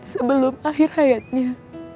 sebelum akhir hayatnya